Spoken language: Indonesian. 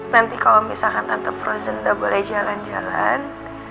nanti kalau misalkan tante frozen tidak boleh jalan jalan